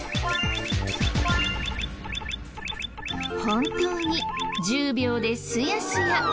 本当に１０秒ですやすや。